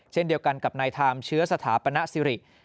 เช่นเดียวกันกับนายทามเชื้อสถาปนสิริ